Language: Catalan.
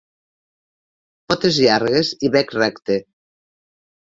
Potes llargues i bec recte.